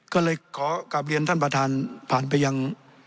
ก็เลยขอกลับเรียนท่านประธานผ่านไปยัง